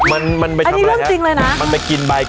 อันนี้เรื่องจริงเลยนะมันไปกินไป